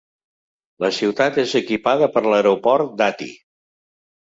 La ciutat és equipada per l'aeroport d'Ati.